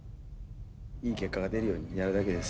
いい結果が出るようにやるだけです。